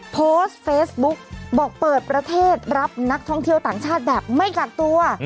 โพสต์เฟซบุ๊กบอกเปิดประเทศรับนักท่องเที่ยวต่างชาติแบบไม่กักตัว